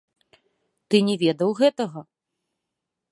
Ты не ведаў гэтага?